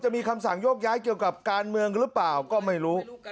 มีคำสั่งโยกย้ายเกี่ยวกับการเมืองหรือเปล่าก็ไม่รู้